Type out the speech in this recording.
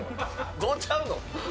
どうちゃうの？